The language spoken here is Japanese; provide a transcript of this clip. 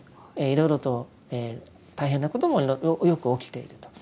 いろいろと大変なこともよく起きていると。